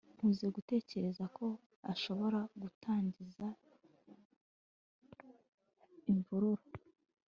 Nkunze gutekereza ko ashobora gutangiza imvururu